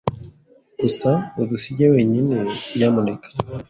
Gusa udusige wenyine, nyamuneka.